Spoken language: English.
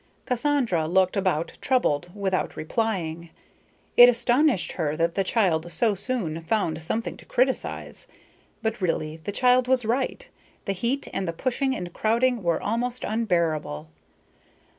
Cassandra looked about troubled, without replying. It astonished her that the child so soon found something to criticize. But really the child was right: the heat and the pushing and crowding were almost unbearable.